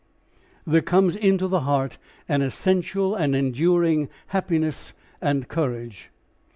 There comes into the heart an essential and enduring happiness and courage.